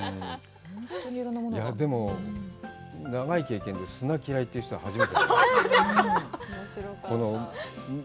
でも、長い経験で、砂嫌いって人、初めて。